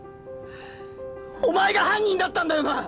お前が犯人だったんだよな！